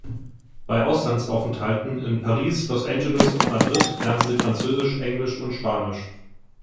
Bei Auslandsaufenthalten in Paris, Los Angeles und Madrid lernte sie Französisch, Englisch und Spanisch.